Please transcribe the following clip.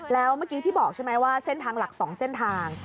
แล้วเมื่อกี้ที่บอกใช่ไหมว่าเส้นทางหลัก๒เส้นทาง